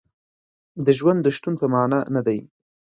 د ژوند د شتون په معنا نه دی.